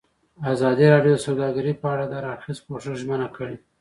ازادي راډیو د سوداګري په اړه د هر اړخیز پوښښ ژمنه کړې.